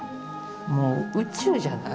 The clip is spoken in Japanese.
もう宇宙じゃない？